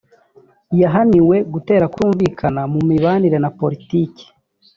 yahaniwe gutera kutumvikana mu mibanire na poritiki